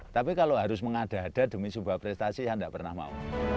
tapi kalau harus mengada ada demi sebuah prestasi saya tidak pernah mau